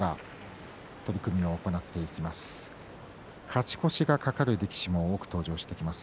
勝ち越しが懸かる力士も多く登場してきます。